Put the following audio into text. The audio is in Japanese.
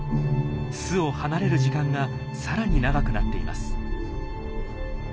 巣を離れる時間が更に長くなっています。